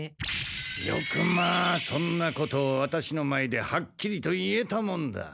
よくまあそんなことをワタシの前ではっきりと言えたもんだ。